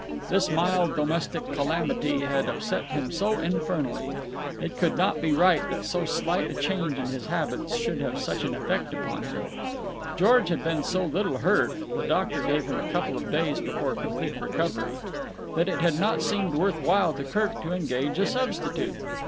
This mild domestic calamity had upset him so infernally. It could not be right that so slight a change in his habits should have such an effect upon him. George had been so little hurt—the doctor gave him a couple of days before complete recovery—that it had not seemed worth while to Kirk to engage a substitute.